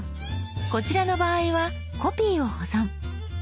こちらの場合は「コピーを保存」。